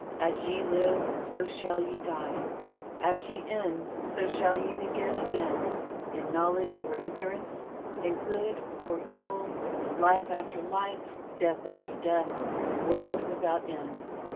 "As ye live, so shall ye die; as ye end, so shall ye begin again in knowledge or ignorance, in good or evil, life after life, death after death, world without end."